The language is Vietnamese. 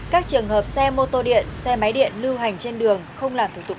các trường hợp xe mô tô điện xe máy điện lưu hành trên đường không làm thủ tục